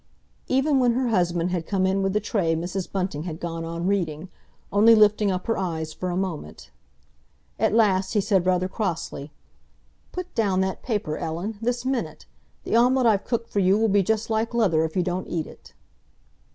Even when her husband had come in with the tray Mrs. Bunting had gone on reading, only lifting up her eyes for a moment. At last he said rather crossly, "Put down that paper, Ellen, this minute! The omelette I've cooked for you will be just like leather if you don't eat it."